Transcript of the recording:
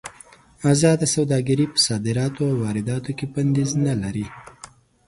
ازاده سوداګري په صادراتو او وارداتو کې بندیز نه لري.